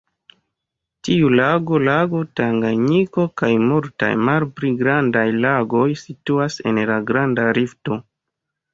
Tiu lago, lago Tanganjiko kaj multaj malpli grandaj lagoj situas en la Granda Rifto.